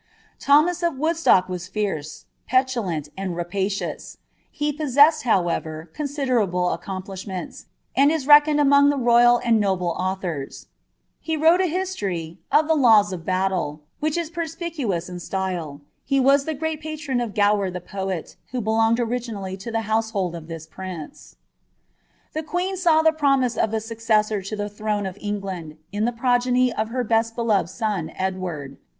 Thomas of Woodstock was fierce, petulant, and ra icious ; he possessed, however, considerable accompUishments, and is ekoned among royal and noble authors ; he wrote a history ^ of the iws of Battle," which is perspicuous in style ; he was the great patron * Gower the poet, who belonged originally to the household of this ince. The queen saw the promise of a successor to the throne of England, the progeny of her best beloved son Edward.